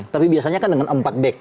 tapi biasanya kan dengan empat back